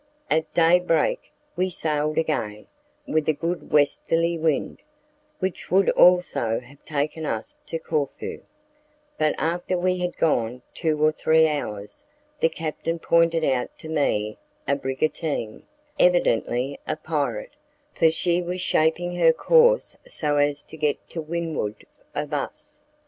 At day break we sailed again with a good westerly wind, which would also have taken us to Corfu; but after we had gone two or three hours, the captain pointed out to me a brigantine, evidently a pirate, for she was shaping her course so as to get to windward of us.